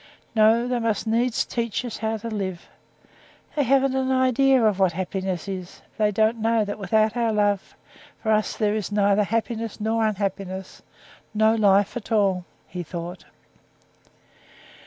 "No, they must needs teach us how to live. They haven't an idea of what happiness is; they don't know that without our love, for us there is neither happiness nor unhappiness—no life at all," he thought.